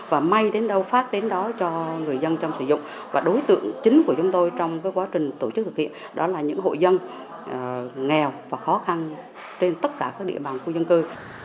và may đến đâu phát đến đó cho người dân trong sử dụng và đối tượng chính của chúng tôi trong quá trình tổ chức thực hiện đó là những hội dân nghèo và khó khăn trên tất cả các địa bàn khu dân cư